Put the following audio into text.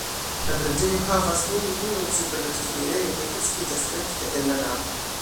La preĝejo havas unu turon super la ĉefenirejo kaj kreskiĝas rekte el la navo.